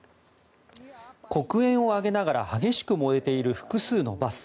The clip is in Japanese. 黒煙を上げながら激しく燃えている複数のバス。